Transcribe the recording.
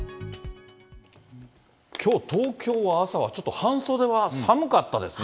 きょう、東京は朝はちょっと半袖は寒かったですね。